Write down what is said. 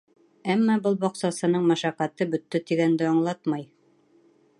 Әммә был баҡсасының мәшәҡәте бөттө тигәнде аңлатмай.